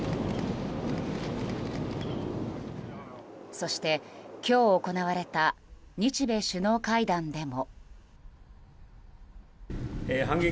そして、今日行われた日米首脳会談でも。